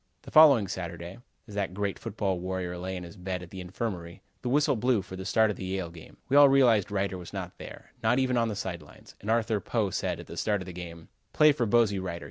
The following Saturday, as that great football warrior lay in his bed at the infirmary, the whistle blew for the start of the Yale game. We all realized Reiter was not there: not even on the side lines, and Arthur Poe said, at the start of the game: "Play for Bosey Reiter.